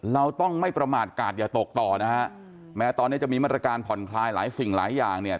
เราต้องไม่ประมาทกาศอย่าตกต่อนะฮะแม้ตอนนี้จะมีมาตรการผ่อนคลายหลายสิ่งหลายอย่างเนี่ย